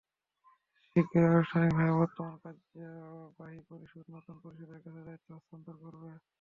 শিগগিরই আনুষ্ঠানিকভাবে বর্তমান কার্যনির্বাহী পরিষদ নতুন পরিষদের কাছে দায়িত্ব হস্তান্তর করবে।